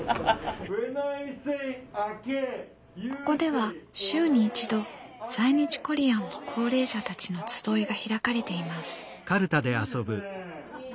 ここでは週に一度在日コリアンの高齢者たちの集いが開かれています。